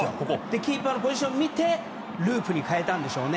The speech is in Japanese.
キーパーのポジションを見てループに変えたんでしょうね。